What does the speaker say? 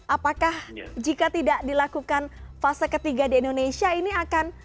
apakah jika tidak dilakukan fase ketiga di indonesia ini akan